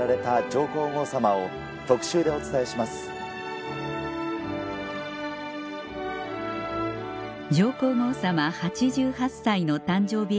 上皇后さま８８歳の誕生日